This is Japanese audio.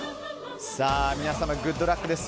皆様、グッドラックです。